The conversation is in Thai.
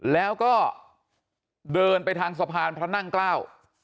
แล้วก็เดินไปทางสะพานพระนั่งเกล้า